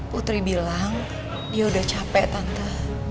putri bilang dia udah capek tante